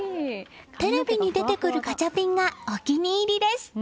テレビに出てくるガチャピンがお気に入りです。